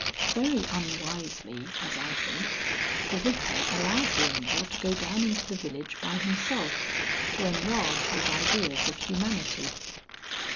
XXIV. Very unwisely, as I think, the Vicar allowed the Angel to go down into the village by himself, to enlarge his ideas of humanity.